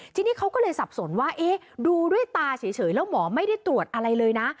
ทีนี้เขาก็เลยสับสนว่าเอ๊ะดูด้วยตาเฉยแล้วหมอไม่ได้ตรวจอะไรเลยนะ